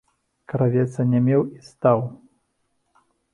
Кравец анямеў і стаў.